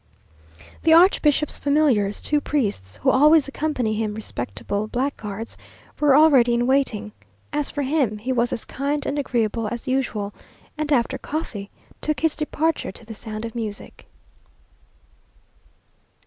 The archbishop's familiars, two priests who always accompany him, respectable black guards, were already in waiting. As for him, he was as kind and agreeable as usual, and, after coffee, took his departure to the sound of music.